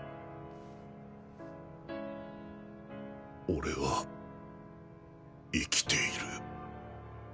俺は生きている